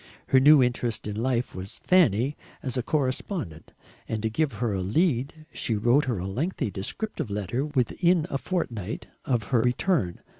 Her new interest in life was Fanny as a correspondent, and to give her a lead she wrote her a lengthy descriptive letter within a fortnight of her return.